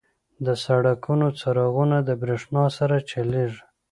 • د سړکونو څراغونه د برېښنا سره چلیږي.